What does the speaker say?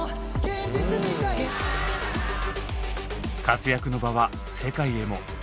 活躍の場は世界へも。